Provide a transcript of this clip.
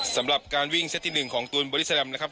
สำหรับการวิ่งเซตที่๑ของตูนบอดี้แลมนะครับ